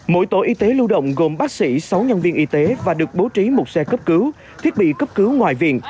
mỗi tổ y tế lưu động gồm bác sĩ sáu nhân viên y tế và được bố trí một xe cấp cứu thiết bị cấp cứu ngoại viện